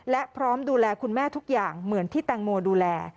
และพร้อมดูแลคุณแม่ทุกอย่างเหมือนที่แตงโมดูแล